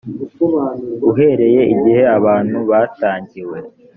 uhereye igihe abantu batangiwe